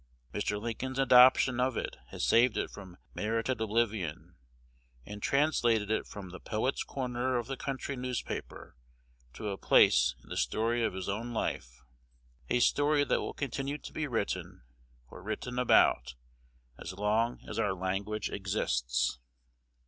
Mr. Lincoln's adoption of it has saved it from merited oblivion, and translated it from the "poet's corner" of the country newspaper to a place in the story of his own life, a story that will continue to be written, or written about, as long as our language exists.